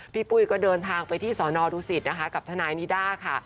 ปุ้ยก็เดินทางไปที่สอนอดูสิตนะคะกับทนายนิด้าค่ะ